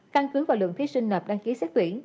căn cứ vào lượng thí sinh nạp đăng ký xét tuyển